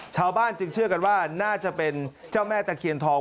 ชาวบ้านจึงเชื่อกันว่าน่าจะเป็นเจ้าแม่ตะเคียนทอง